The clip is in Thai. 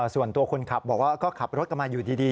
ส่วนตัวคนขับบอกว่าก็ขับรถกันมาอยู่ดี